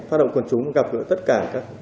phát động quần trúng gặp gỡ tất cả